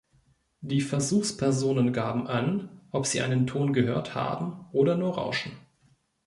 Die Versuchspersonen gaben an, ob sie einen Ton gehört haben oder nur Rauschen.